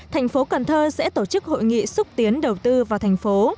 thành phố cần thơ sẽ tổ chức hội nghị xúc tiến đầu tư vào thành phố